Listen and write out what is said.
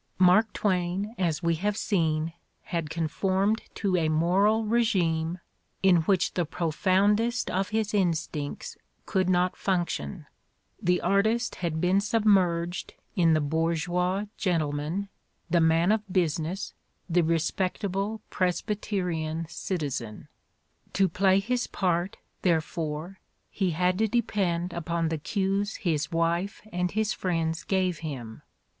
Mark Twain, as we have seen, had conformed to a moral regime in which the profoundest of his in stincts could not function: the artist had been sub merged in the bourgeois gentleman, the man of business, the respectable Presbyterian citizen. To play his part, therefore, he had to depend upon the cues his wife and his friends gave him.